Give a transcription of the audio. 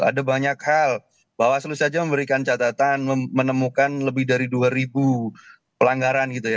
ada banyak hal bawaslu saja memberikan catatan menemukan lebih dari dua ribu pelanggaran gitu ya